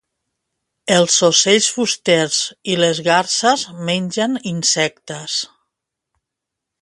Els ocells fusters i les garses mengen insectes.